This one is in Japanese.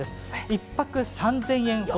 １泊３０００円程。